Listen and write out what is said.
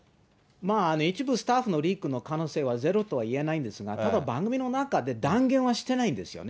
まあ一部スタッフのリークの可能性はゼロとは言えないんですが、ただ番組の中で、断言はしてないんですよね。